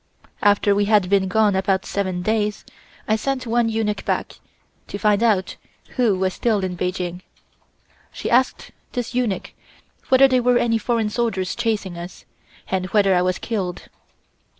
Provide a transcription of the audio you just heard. "After we had been gone about seven days, I sent one eunuch back, to find out who was still in Peking. She asked this eunuch whether there were any foreign soldiers chasing us, and whether I was killed.